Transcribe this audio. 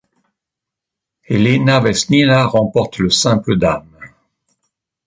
Elena Vesnina remporte le simple dames.